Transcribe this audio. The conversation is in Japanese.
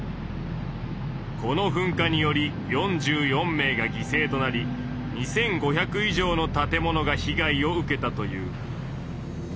この噴火により４４名が犠牲となり２，５００以上の建物が被害を受けたという。